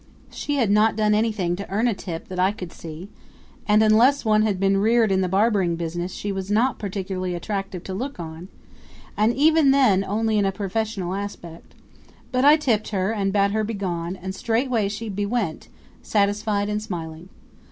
She had not done anything to earn a tip that I could see; and unless one had been reared in the barbering business she was not particularly attractive to look on, and even then only in a professional aspect; but I tipped her and bade her begone, and straightway she bewent, satisfied and smiling.